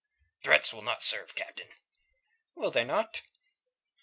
"Threats will not serve, Captain." "Will they not?"